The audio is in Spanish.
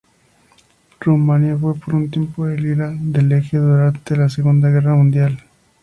Rumania fue por un tiempo aliada del Eje durante la Segunda Guerra Mundial.